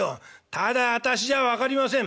「ただ『私』じゃ分かりません。